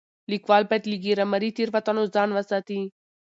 ليکوال بايد له ګرامري تېروتنو ځان وساتي.